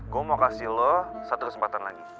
gue mau kasih lo satu kesempatan lagi